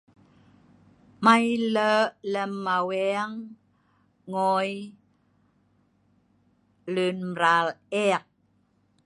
Mai lok lem aweng ngoi lun mral eek